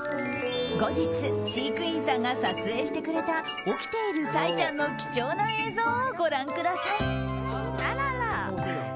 後日、飼育員さんが撮影してくれた起きているサイちゃんの貴重な映像をご覧ください。